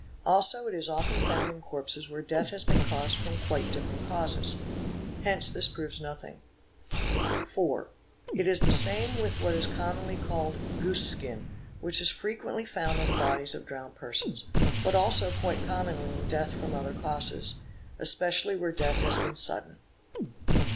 Also it is often found in corpses where — death has been caused from quite different causes. Hence this proves nothing. 4 h L 7 s =@ 7 J wn ca C | 4 < 2 4, It is the same with what is commonly called '' goose skin"', which is frequently found on the bodies of drowned persons, but also quite commonly in death from other causes, especially where death has been sudden.